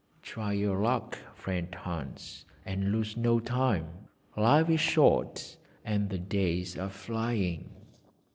'Try your luck, friend Hans, and lose no time. Life is short, and the days are flying.'